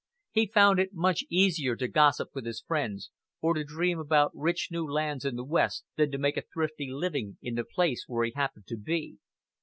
He found it much easier to gossip with his friends, or to dream about rich new lands in the West, than to make a thrifty living in the place where he happened to be.